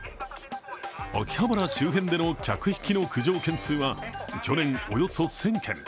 秋葉原周辺での客引きの苦情件数は去年およそ１０００件。